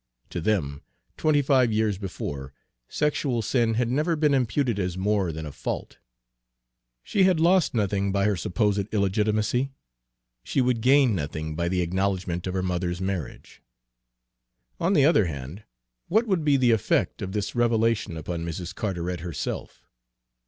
To them, twenty five years before, sexual sin had never been imputed as more than a fault. She had lost nothing by her supposed illegitimacy; she would gain nothing by the acknowledgment of her mother's marriage. On the other hand, what would be the effect of this revelation upon Mrs. Carteret herself?